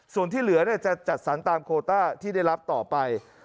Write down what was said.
ส่วนที่เหลือจะจัดสรรตามโคต้าที่ได้รับต่อไป